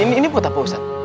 ini buat apa ustadz